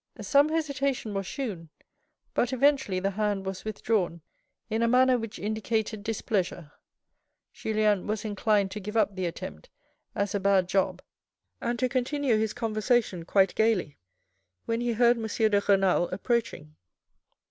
Some hesitation was shewn, but eventually the hand was withdrawn in a manner which indicated displeasure. Julien was inclined to give up the attempt as a bad job, and to continue his conversation quite gaily, when he heard M. de Renal approaching.